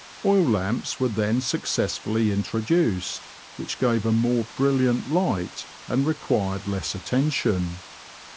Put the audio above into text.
Oil lamps were then successfully introduced, which gave a more brilliant light, and required less attention.